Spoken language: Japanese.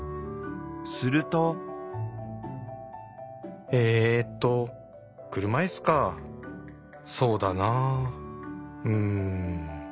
すると「えーと車いすかそうだなぁうん」。